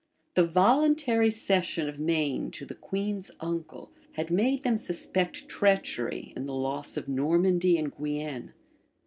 The voluntary cession of Maine to the queen's uncle, had made them suspect treachery in the loss of Normandy and Guienne.